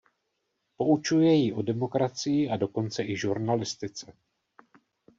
Poučuje ji o demokracii a dokonce i žurnalistice.